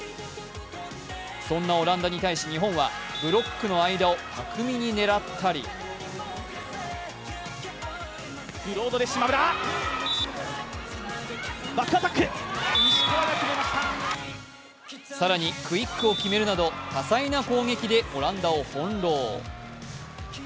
そんなオランダに対し日本はブラックの間を巧みに狙ったり更にクイックを決めるなど多彩な攻撃でオランダをほんろう。